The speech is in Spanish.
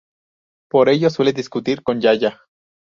Por ello suele discutir con Yaya.